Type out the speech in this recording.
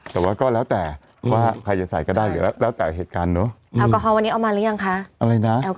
แต่ว่าก็แล้วแต่ว่าใครจะใส่ก็ได้อยู่แล้วแต่เหตุการณ์เนอะแอลกอฮอลวันนี้เอามาหรือยังคะอะไรนะ